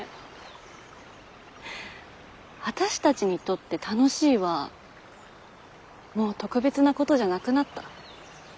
あたしたちにとって「楽しい」はもう特別なことじゃなくなった。